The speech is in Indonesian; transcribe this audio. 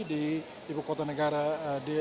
di kota kota yang terdekat dengan penyelenggaraan